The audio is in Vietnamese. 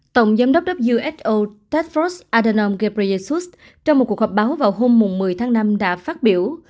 tổng giám đốc who tedros adhanom ghebreyesus trong một cuộc họp báo vào hôm một mươi tháng năm đã phát biểu